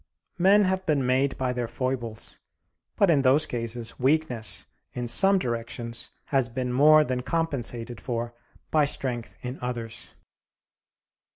Men have been made by their foibles, but in those cases weakness in some directions has been more than compensated for by strength in others.